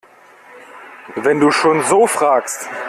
Wenn du schon so fragst!